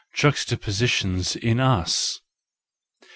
Juxtapositions in us .